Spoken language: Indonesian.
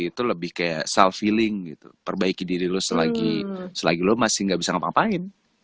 itu lebih kayak self healing gitu perbaiki diri lu selagi selagi lu masih nggak bisa ngapain